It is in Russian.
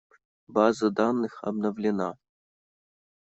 База данных обновлена.